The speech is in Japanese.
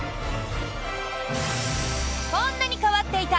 こんなに変わってた！